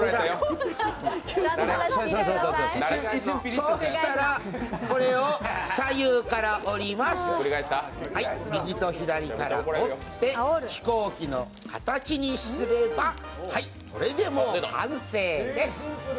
そしたら、これを左右から折ります右と左から折って飛行機の形にすればはい、これでもう完成です。